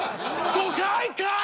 ５回かい！